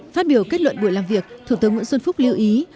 phát biểu kết luận buổi làm việc thủ tướng nguyễn xuân phúc lưu ý